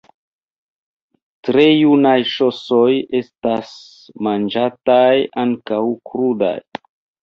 Tre junaj ŝosoj estas manĝataj ankaŭ krudaj.